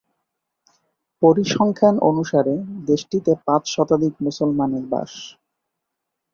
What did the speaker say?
পরিসংখ্যান অনুসারে, দেশটিতে পাঁচ শতাধিক মুসলমানের বাস।